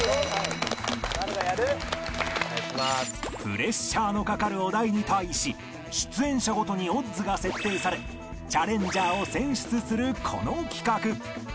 プレッシャーのかかるお題に対し出演者ごとにオッズが設定されチャレンジャーを選出するこの企画